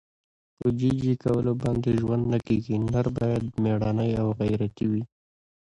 په جي جي کولو باندې ژوند نه کېږي. نر باید مېړنی او غیرتي وي.